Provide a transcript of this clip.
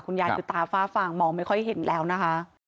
ยายคือตาฝ้าฟางมองไม่ค่อยเห็นแล้วนะคะ